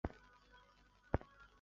光绪二十七年在经岭病逝。